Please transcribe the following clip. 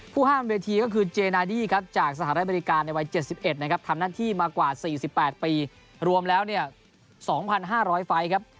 ห้ามเวทีก็คือเจนาดี้ครับจากสหรัฐอเมริกาในวัย๗๑นะครับทำหน้าที่มากว่า๔๘ปีรวมแล้ว๒๕๐๐ไฟล์ครับ